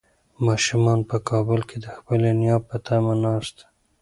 ماشومان په کابل کې د خپلې نیا په تمه ناست دي.